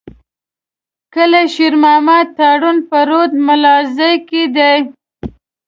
کلي شېر محمد تارڼ په رود ملازۍ کي دی.